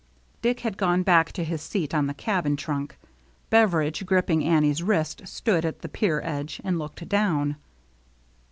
Dick had gone back to his seat on the cabin trunk. Beveridge, gripping Annie's wrist, stood at the pier edge, and looked down.